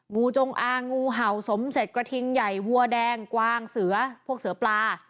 งูจงอางงูเห่าสมเสร็จกระทิงใหญ่วัวแดงกวางเสือพวกเสือปลา